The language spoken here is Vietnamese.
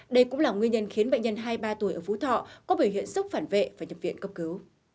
đây cũng là nguyên nhân khiến bệnh nhân hai mươi ba tuổi ở phú thọ có biểu hiện xúc phản vệ và nhập viện cấp cứu